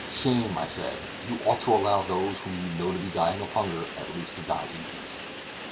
"Shame!" I said. "You ought to allow those whom you know to be dying of hunger at least to die in peace.